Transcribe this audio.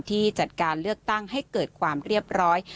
ที่จัดการเลือกตั้งให้เกิดความเรียบร้อย